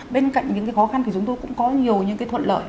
bên cạnh những cái khó khăn thì chúng tôi cũng có nhiều những cái thuận lợi